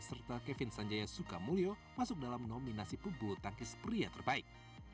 serta kevin sanjaya sukamulyo masuk dalam nominasi pebulu tangkis pria terbaik